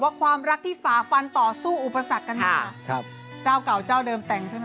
จ้าตุเดิมเติม